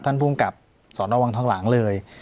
ภูมิกับสนวังทองหลังเลย